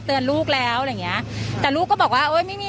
ลูกแล้วอะไรอย่างเงี้ยแต่ลูกก็บอกว่าเอ้ยไม่มี